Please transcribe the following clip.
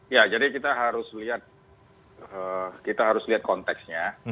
ya jadi kita harus lihat konteksnya